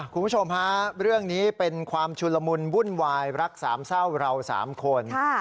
คุณผู้ชมฮะเรื่องนี้เป็นความชุนละมุนวุ่นวายรักสามเศร้าเราสามคน